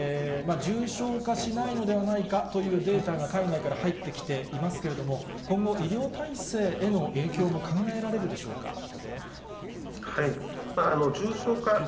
重症化しないのではないかというデータが海外から入ってきていますけれども、今後、医療体制への影響も考えられるでしょうか。